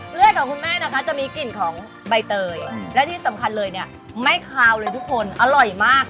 เลือดของคุณแม่นะคะจะมีกลิ่นของใบเตยและที่สำคัญเลยเนี่ยไม่คาวเลยทุกคนอร่อยมาก